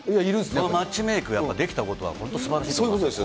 マッチメークできたことは、本当にすばらしいと思います。